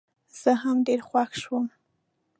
زه هم ډېر خوښ شوم.